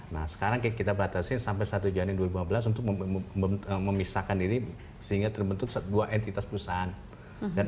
nah sekarang kita batasin sampai satu januari dua ribu lima belas untuk memisahkan diri sehingga terbentuk dua entitas perusahaan